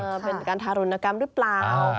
เป็นการทารุณกรรมหรือเปล่า